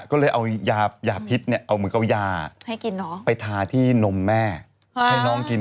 ก็เลยเอายาพิษเนี่ยเอามือเอายาไปทาที่นมแม่ให้น้องกิน